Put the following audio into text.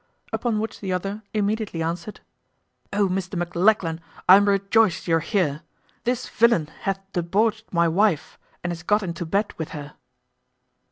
Upon which the other immediately answered, "O, Mr Maclachlan! I am rejoiced you are here. This villain hath debauched my wife, and is got into bed with her."